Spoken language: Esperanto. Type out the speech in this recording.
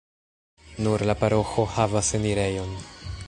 Nur la paroĥo havas enirejon.